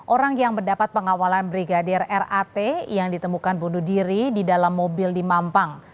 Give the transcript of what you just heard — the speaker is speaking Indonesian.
orang yang mendapat pengawalan brigadir rat yang ditemukan bunuh diri di dalam mobil di mampang